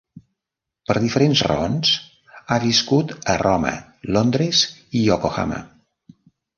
Per diferents raons, ha viscut a Roma, Londres i Yokohama.